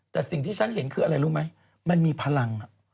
แต่สิ่งที่ฉันเห็นคืออะไรรู้ไหมมันมีพลัง